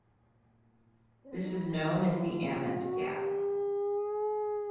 This is known as the "amn't gap".